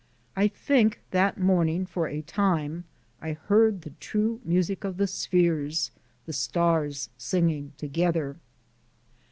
I think, that morning, for a time, I heard the true music of the spheres, the stars singing together.